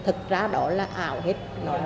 thật ra đó là ảo hết